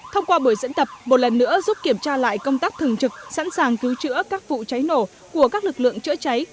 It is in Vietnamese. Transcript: thông qua buổi diễn tập một lần nữa giúp kiểm tra lại công tác thường trực sẵn sàng cứu chữa các vụ cháy nổ của các lực lượng chữa cháy